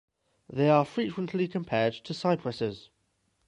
They are frequently compared to cypresses.